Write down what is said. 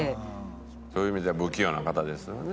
そういう意味じゃ不器用な方ですよね。